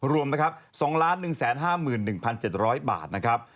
รวมนะครับ๒๑๕๑๗๐๐บาทนะครับ